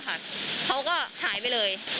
เขาก็หายไปเลย